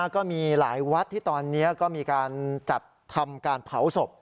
ก็มีหลายวัดที่ตอนนี้ก็มีการจัดทำการเผาศพ